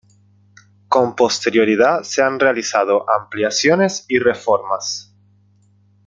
Con posterioridad se han realizado ampliaciones y reformas.